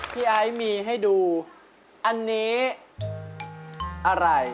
พี่อายมีให้ดูอันนี้อะไร